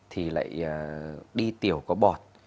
thì lại đi tiểu có bọt